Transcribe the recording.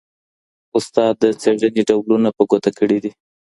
استاد د څېړنې ډولونه په ګوته کړي دي.